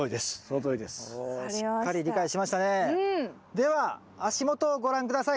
では足元をご覧下さい。